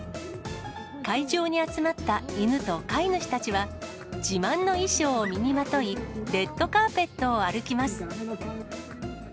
会場に集まった犬と飼い主たちは、自慢の衣装を身にまとい、レッドカーペットを歩きます。